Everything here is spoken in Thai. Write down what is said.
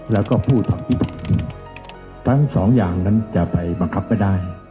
แล้วก็ผู้ทำผิดจริงทั้งสองอย่างนั้นจะไปบังคับไม่ได้